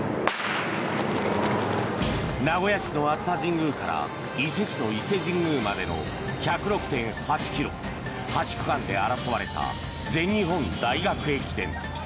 名古屋市の熱田神宮から伊勢市の伊勢神宮までの１０６．８ｋｍ８区間で争われた全日本大学駅伝。